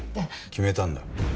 決めたんだ。